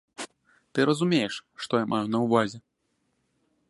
Ты разумееш, што я маю на ўвазе.